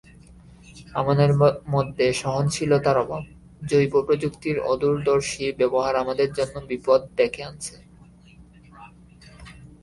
আমাদের মধ্যে সহনশীলতার অভাব, জৈবপ্রযুক্তির অদূরদর্শী ব্যবহার আমাদের জন্য বিপদ ডেকে আনছে।